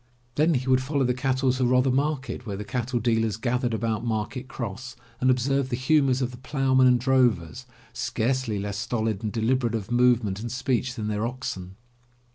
Then he would follow the cattle to Rother Market, where the cattle dealers gathered about Market Cross, and observe the humors of the ploughman and drovers, scarcely less stolid and deliberate of movement and speech than their oxen.